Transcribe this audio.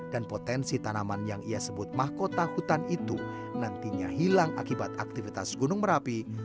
dan potensi tanaman yang ia sebut mahkota hutan itu nantinya hilang akibat aktivitas gunung merapi